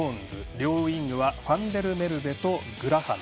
両ウイングはファンデルメルベとグラハム。